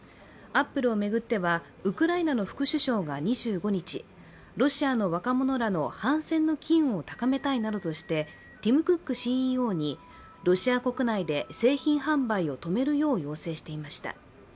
アップルを巡ってはウクライナの副首相が２５日ロシアの若者らの反戦の機運を高めたいなどとして、ティム・クックＣＥＯにロシア国内で製品販売を止めるよう要請していました。